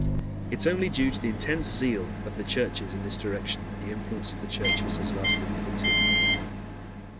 It is only due to the intense zeal of the churches in this direction that the influence of the churches has lasted hitherto.